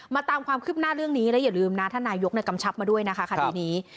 ตามความคืบหน้าเรื่องนี้และอย่าลืมนะท่านนายกกำชับมาด้วยนะคะคดีนี้